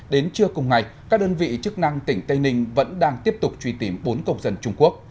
đến trưa cùng ngày các đơn vị chức năng tỉnh tây ninh vẫn đang tiếp tục truy tìm bốn công dân trung quốc